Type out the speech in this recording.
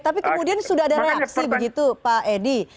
tapi kemudian sudah ada reaksi begitu pak edi